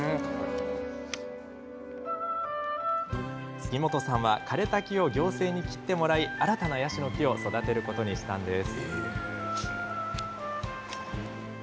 杉本さんは枯れた木を行政に切ってもらい新たなヤシの木を育てることにしたんです。